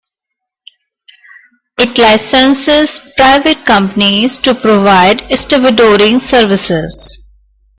It licences private companies to provide stevedoring services.